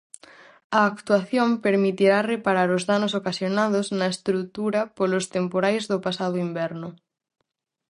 A actuación permitirá reparar os danos ocasionados na estrutura polos temporais do pasado inverno.